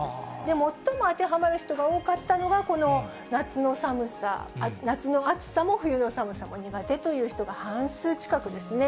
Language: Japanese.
最も当てはまる人が多かったのが、この夏の暑さも冬の寒さも苦手という人が半数近くですね。